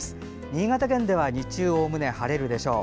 新潟県では日中おおむね晴れるでしょう。